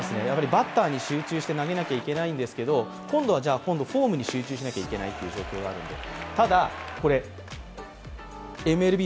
バッターに集中して投げなきゃいけないんですけど今度はフォームに集中しなきゃいけないという状況があるんです。